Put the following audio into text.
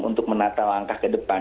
untuk menata langkah ke depan